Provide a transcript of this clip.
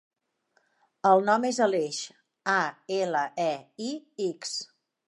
El nom és Aleix: a, ela, e, i, ics.